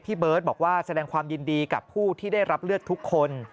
เบิร์ตบอกว่าแสดงความยินดีกับผู้ที่ได้รับเลือกทุกคน